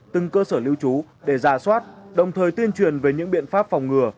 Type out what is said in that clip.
từng cơ sở lưu trú để ra soát đồng thời tuyên truyền về những biện pháp phòng ngừa